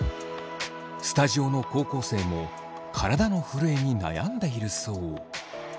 スタジオの高校生も体の震えに悩んでいるそう。